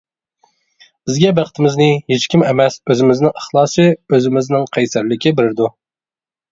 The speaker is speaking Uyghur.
بىزگە بەختىمىزنى ھېچكىم ئەمەس، ئۆزىمىزنىڭ ئىخلاسى، ئۆزىمىزنىڭ قەيسەرلىكى بېرىدۇ.